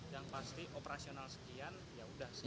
yang pasti operasional sekian ya udah sih